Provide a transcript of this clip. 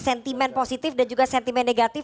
sentimen positif dan juga sentimen negatif